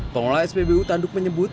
pengolah spbu tanduk menyebut